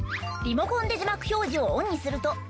リモコンで字幕表示をオンにすると。